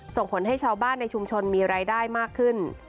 ส่งผลให้ชาวบ้านในชุมชนมีรายได้มากขึ้น